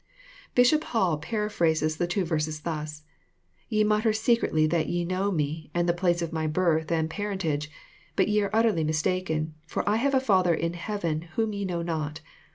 Bishop Hall paraphrases the two verses thus :Ye mutter secretly that ye know me, and the place of my birth and parent age ; but ye are utterly mistaken, for I have a Father in heaven whom ye know not.